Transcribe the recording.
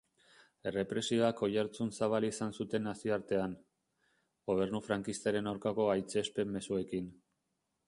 Errepresioak oihartzun zabala izan zuten nazioartean, gobernu frankistaren aurkako gaitzespen-mezuekin.